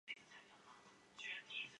这五十块给你